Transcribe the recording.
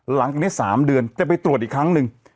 หลังจากนี้๓เดือนจะไปตรวจอีกครั้งหนึ่ง